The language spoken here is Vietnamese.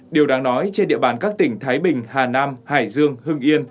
điều đáng nói trên địa bàn các tỉnh thái bình hà nam hải dương hưng yên